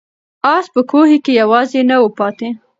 آس په کوهي کې یوازې نه و پاتې.